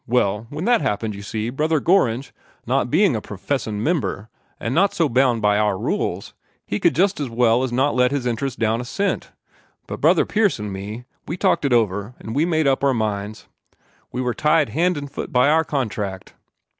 Well, when that happened, you see, Brother Gorringe, not being a professin' member, and so not bound by our rules, he could just as well as not let his interest down a cent. But Brother Pierce an' me, we talked it over, an' we made up our minds we were tied hand an' foot by our contract.